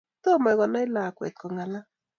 Tomo konai lakwe kungalal.